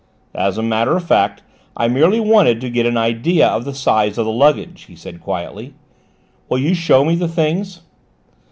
"As a matter of fact I merely wanted to get an idea of the size of the luggage," he said quietly. "Will you show me the things?"